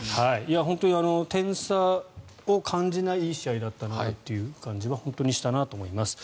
本当に、点差を感じないいい試合だったなという感じは本当にしたなと思います。